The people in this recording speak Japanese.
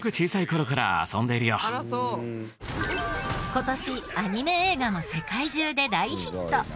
今年アニメ映画も世界中で大ヒット。